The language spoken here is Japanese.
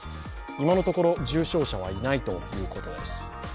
今のところ、重症者はいないということです。